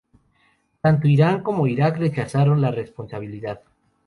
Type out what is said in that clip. Tanto Irán como Irak rechazaron la responsabilidad.